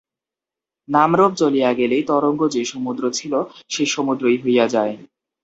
নাম-রূপ চলিয়া গেলেই তরঙ্গ যে সমুদ্র ছিল, সেই সমুদ্রই হইয়া যায়।